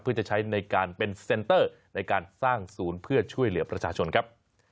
เพื่อจะใช้ในการเป็นเซ็นเตอร์ในการสร้างศูนย์เพื่อช่วยเหลือประชาชนครับ